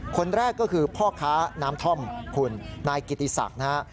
คนแรกก็คือพ่อค้าน้ำท่อมคุณนายกิติศักดิ์นะฮะ